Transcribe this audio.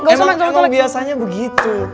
emang biasanya begitu